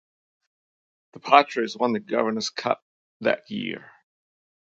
The Padres won the Governor's Cup that year.